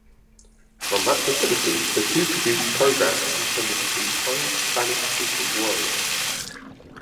From that facility, the two produced programs intended for the entire Spanish-speaking world.